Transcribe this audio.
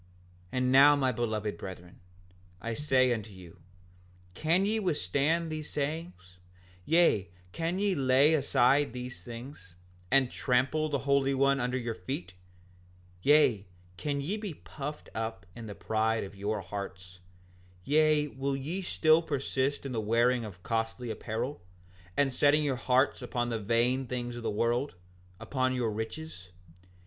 5:53 And now my beloved brethren, I say unto you, can ye withstand these sayings; yea, can ye lay aside these things, and trample the Holy One under your feet; yea, can ye be puffed up in the pride of your hearts; yea, will ye still persist in the wearing of costly apparel and setting your hearts upon the vain things of the world, upon your riches?